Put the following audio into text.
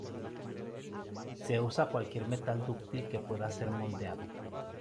Se usa cualquier metal dúctil que pueda ser moldeado.